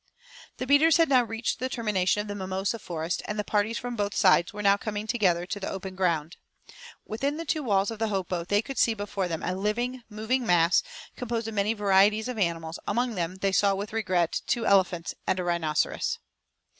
The beaters had now reached the termination of the mimosa forest; and the parties from both sides were now coming together to the open ground. Within the two walls of the hopo they could see before them a living, moving mass, composed of many varieties of animals; among them they saw with regret two elephants and a rhinoceros.